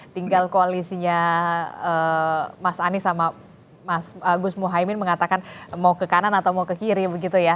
tinggal koalisinya mas anies sama mas gus muhaymin mengatakan mau ke kanan atau mau ke kiri begitu ya